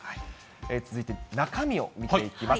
続いて中身を見ていきます。